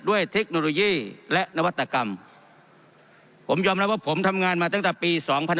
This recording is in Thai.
เทคโนโลยีและนวัตกรรมผมยอมรับว่าผมทำงานมาตั้งแต่ปี๒๕๖๒